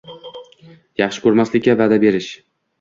“Yaxshi ko‘rmaslikka” vaʼda berish –